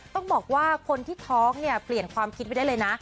ต้องบอกว่าคนที่ท้องเนี่ยเปลี่ยนความคิดไว้ได้เลยนะ